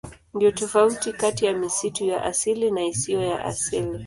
Ndiyo tofauti kati ya misitu ya asili na isiyo ya asili.